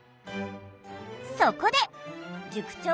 そこで塾長